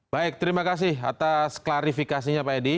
baik terima kasih atas klarifikasinya pak edi